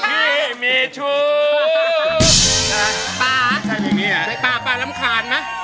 ที่มีชุดป่าใช่แบบนี้อ่ะป่าป่าลำขาญไหม